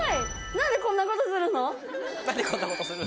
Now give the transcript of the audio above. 何でこんなことするの？